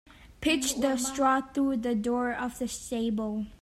Pitch the straw through the door of the stable.